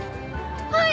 はい！